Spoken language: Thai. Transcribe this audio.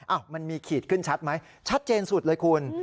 มันมีขีดขึ้นชัดไหมชัดเจนสุดเลยคุณ